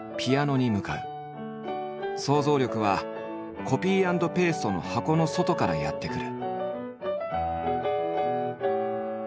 想像力はコピー＆ペーストの箱の外からやって来る。